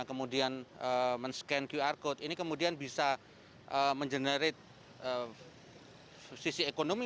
kemudian men scan qr code ini kemudian bisa mengenerate sisi ekonomi